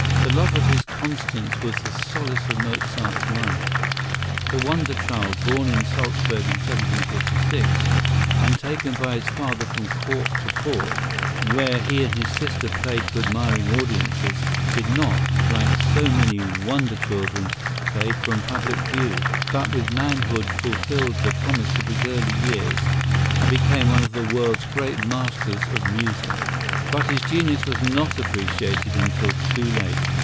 The love of his Constance was the solace of Mozart's life. The wonder child, born in Salzburg in 1756, and taken by his father from court to court, where he and his sister played to admiring audiences, did not, like so many wonder children, fade from public view, but with manhood fulfilled the promise of his early years and became one of the world's great masters of music. But his genius was not appreciated until too late.